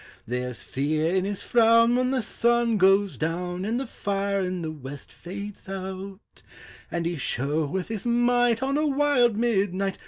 There 's fear in his frown when the sun goes down, And the fire in the west fades out ; And he showeth his might on a wild midnight.